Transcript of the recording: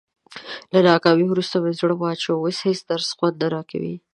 له ناکامۍ ورسته مې زړه مات شو، اوس هېڅ درس خوند نه راکوي.